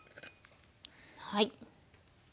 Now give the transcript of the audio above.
はい。